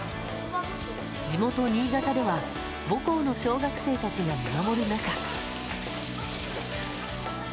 地元、新潟では母校の小学生たちが見守る中。